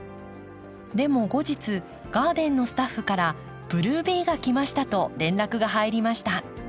でも後日ガーデンのスタッフから「ブルービーが来ました」と連絡が入りました。